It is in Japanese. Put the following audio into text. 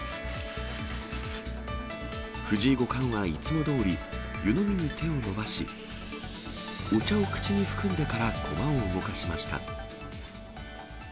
藤井五冠はいつもどおり、湯飲みに手を伸ばし、お茶を口に含んでから駒を動かしました。